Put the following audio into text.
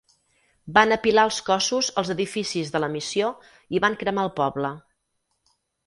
Van apilar els cossos als edificis de la missió i van cremar el poble.